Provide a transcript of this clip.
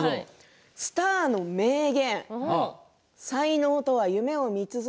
スターの名言。